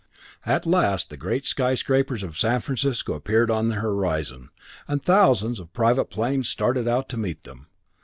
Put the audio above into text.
At last the great skyscrapers of San Francisco appeared on their horizon, and thousands of private planes started out to meet them.